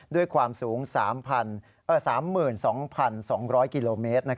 ด้วยความสูง๓๒๒๐๐กิโลเมตร